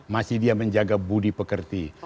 masih dia menjaga budi pekerti